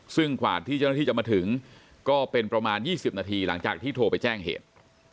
ซึ่งกว่าที่เจ้าหน้าที่จะมาถึงก็เป็นประมาณ๒๐นาทีหลังจากที่โทรไปแจ้งเหตุ